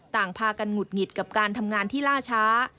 ต่างพากันหงุดหงิดกับการทำงานที่ล่าช้า